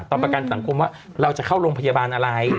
ประกันสังคมว่าเราจะเข้าโรงพยาบาลอะไร